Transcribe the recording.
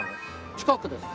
近くです。